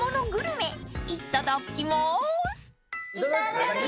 ［いっただきまーす］